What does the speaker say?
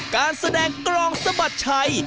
การแสดงกรองสะบัดชัย